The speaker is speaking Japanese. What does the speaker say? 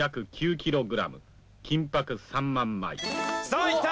さあいった！